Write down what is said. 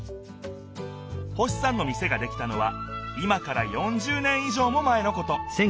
星さんの店ができたのは今から４０年い上も前のこと。